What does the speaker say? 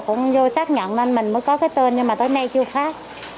cũng vô xác nhận lên mình mới có cái tên nhưng mà tới nay chưa phát